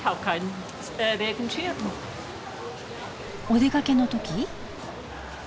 お出かけの時？